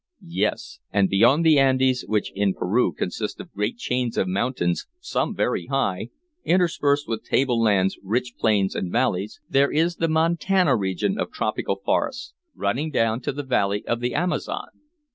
"Yes. And beyond the Andes (which in Peru consist of great chains of mountains, some very high, interspersed with table lands, rich plains and valleys) there is the montana region of tropical forests, running down to the valley of the Amazon.